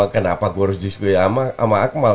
kenapa gue harus jusway sama akmal